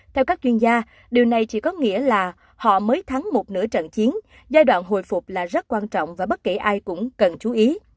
theo các chuyên gia điều này chỉ có nghĩa là họ mới thắng một nửa trận chiến giai đoạn hồi phục là rất quan trọng và bất kể ai cũng cần chú ý